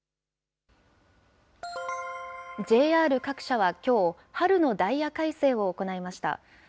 ＪＲ各社はきょう、春のダイヤ改正を行いました。